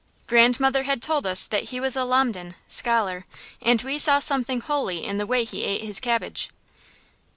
Grandmother had told us that he was a lamden (scholar), and we saw something holy in the way he ate his cabbage.